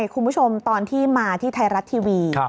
คุณผู้ชมตอนที่มาที่ไทยรัฐทีวี